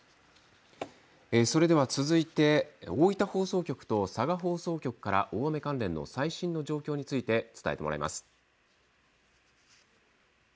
それでは続いて大分放送局と佐賀放送局から大雨関連の最新の状況について伝えてもらいます。